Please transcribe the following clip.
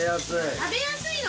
食べやすい。